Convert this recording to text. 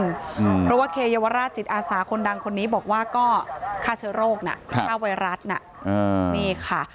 เพราะว่าเคเยาวราชจิตอาสาคนดังคนนี้บอกว่าก็ฆ่าเชื้อโรคนะฆ่าไวรัสน่ะนี่ค่ะ